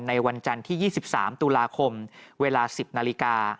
วันจันทร์ที่๒๓ตุลาคมเวลา๑๐นาฬิกา